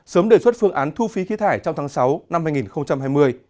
sớm đề xuất phương án thu phí khí thải trong tháng sáu năm hai nghìn hai mươi